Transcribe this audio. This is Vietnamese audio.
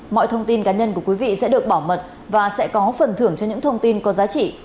mọi thông tin cá nhân của quý vị sẽ được bảo mật và sẽ có phần thưởng cho những thông tin có giá trị